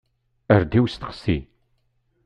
Err-d i usteqsi.